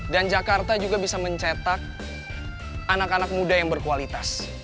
dan jakarta juga bisa mencetak anak anak muda yang berkualitas